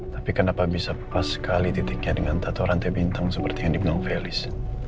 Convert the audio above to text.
tapi kenapa bisa pas sekali titiknya dengan tata rantai bintang seperti yang dibilang felis